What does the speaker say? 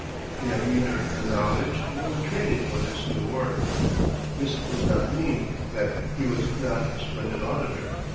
He had neither the knowledge nor the training for this new work. This does not mean that he was not a splendid auditor.